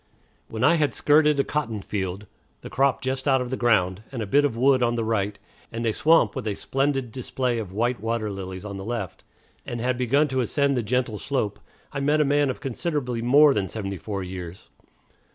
When I had skirted a cotton field the crop just out of the ground and a bit of wood on the right, and a swamp with a splendid display of white water lilies on the left, and had begun to ascend the gentle slope, I met a man of considerably more than seventy four years.